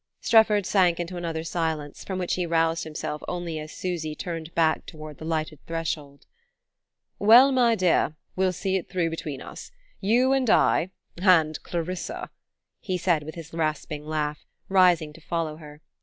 Strefford sank into another silence, from which he roused himself only as Susy turned back toward the lighted threshold. "Well, my dear, we'll see it through between us; you and I and Clarissa," he said with his rasping laugh, rising to follow her.